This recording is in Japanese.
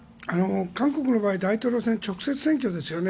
韓国の場合大統領選、直接選挙ですよね。